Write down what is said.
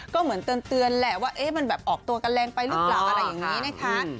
ก็เหมือนเตือนแหละว่ามันแบบออกตัวกันแรงไปหรือเปล่าอะไรอย่างนี้นะคะ